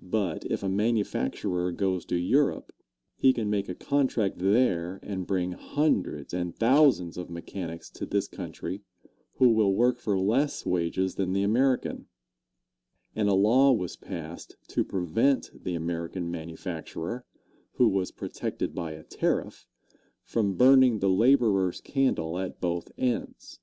But if a manufacturer goes to Europe, he can make a contract there and bring hundreds and thousands of mechanics to this country who will work for less wages than the American, and a law was passed to prevent the American manufacturer, who was protected by a tariff, from burning the laborer's candle at both ends.